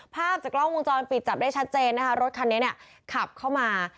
ภาพจากกล้องวงจรปิดจับได้ชัดเจนนะคะรถคันนี้เนี่ยขับเข้ามา